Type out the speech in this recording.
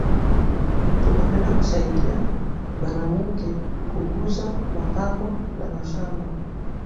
Tuna penda ku saidiya banamuke ku uza ma pango na mashamba